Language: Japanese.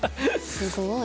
すごい。